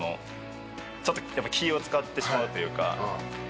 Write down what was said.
ちょっとやっぱ気を使ってしまうというか。